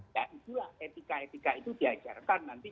dan itulah etika etika itu diajarkan nanti